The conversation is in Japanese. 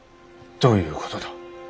どういうことだ？